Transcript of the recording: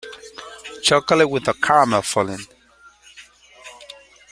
Chocolate with a caramel filling.